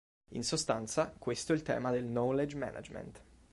In sostanza, questo è il tema del "knowledge management".